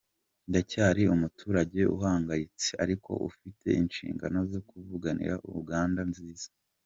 Ndacyari umuturage uhangayitse ariko ufite inshingano zo kuvuganira Uganda nziza.”